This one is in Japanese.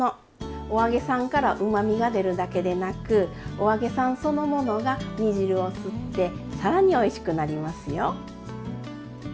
お揚げさんからうまみが出るだけでなくお揚げさんそのものが煮汁を吸って更においしくなりますよ。